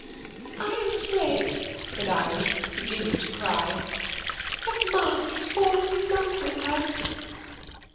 " I am afraid," said Iris, beginning to cry, " that Mark has fallen in love with her."